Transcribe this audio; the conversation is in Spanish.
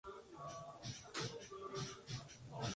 Varios de los libros de la colección incluyen juegos y pasatiempos.